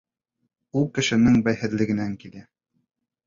Ул кешенең бәйһеҙлегенән килә.